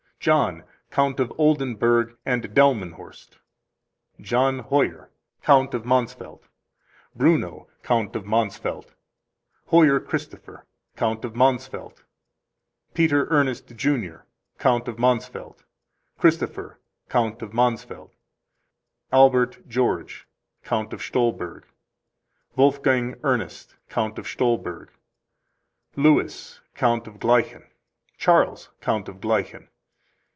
John, Count of Oldenburg and Delmenhorst. John Hoier, Count of Mansfeld. Bruno, Count of Mansfeld. Hoier Christopher, Count of Mansfeld. Peter Ernest, Jr., Count of Mansfeld. Christopher, Count of Mansfeld. Albert George, Count of Stolberg. Wolfgang Ernest, Count of Stolberg. Louis, Count of Gleichen. Charles, Count of Gleichen.